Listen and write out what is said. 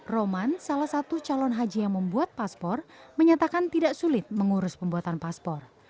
roman salah satu calon haji yang membuat paspor menyatakan tidak sulit mengurus pembuatan paspor